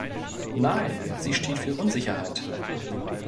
Nein, sie steht für Unsicherheit!